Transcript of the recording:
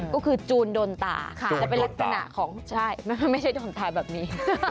ก็คือจูนโดนตาแต่เป็นลักษณะของใช่ไม่ใช่โดนตาแบบนี้